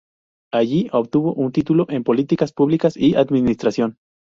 Allí obtuvo un título en Políticas Públicas y Administración.